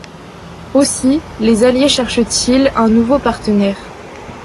Aussi les alliés cherchent-ils un nouveau partenaire.